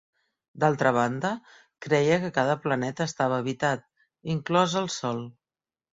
D'altra banda, creia que cada planeta estava habitat, inclòs el Sol.